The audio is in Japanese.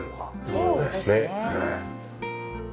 そうですね。